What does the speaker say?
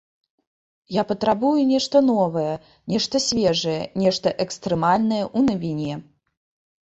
Я патрабую нешта новае, нешта свежае, нешта экстрэмальнае ў навіне.